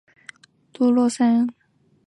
鲁菲阿克托洛桑。